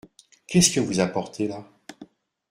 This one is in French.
Qu’est-ce que vous apportez là ?